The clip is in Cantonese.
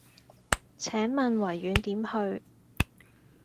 請問維園點去